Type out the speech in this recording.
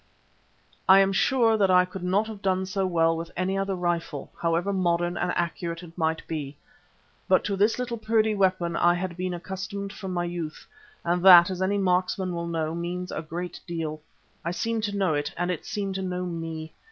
I am sure that I could not have done so well with any other rifle, however modern and accurate it might be. But to this little Purdey weapon I had been accustomed from my youth, and that, as any marksman will know, means a great deal. I seemed to know it and it seemed to know me.